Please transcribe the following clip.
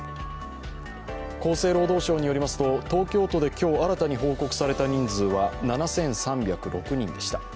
厚生労働省によりますと、東京都で今日新たに報告された人数は７３０６人でした。